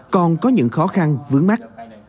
còn có những khó khăn vướng mắt